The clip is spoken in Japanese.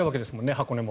箱根も。